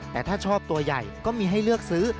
แต่ถ้าชอบตัวใหญ่ก็มีให้เลือกซื้อ